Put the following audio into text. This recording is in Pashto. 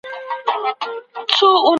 لونګ د غاښ درد لپاره ښه دی.